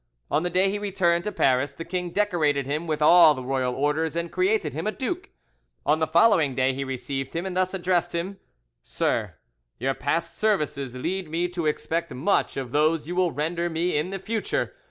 On the day he returned to Paris the king decorated him with all the royal orders and created him a duke. On the following day he received him, and thus addressed him: "Sir, your past services lead me to expect much of those you will render me in the future.